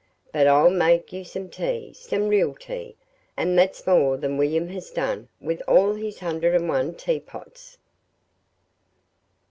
But I'll make you some tea some real tea and that's more than William has done, with all his hundred and one teapots!"